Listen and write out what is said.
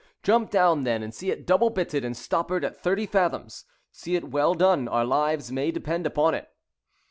"Jump down, then, and see it double bitted and stoppered at thirty fathoms. See it well done—our lives may depend upon it."